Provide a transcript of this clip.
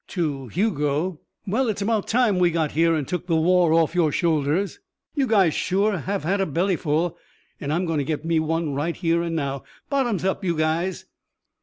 To Hugo: "Well, it's about time we got here an' took the war off your shoulders. You guys sure have had a bellyful. An' I'm goin' to get me one right here and now. Bottoms up, you guys."